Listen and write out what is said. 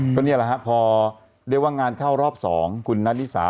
ก็นี่แหละฮะพอเรียกว่างานเข้ารอบ๒คุณนัทนิสา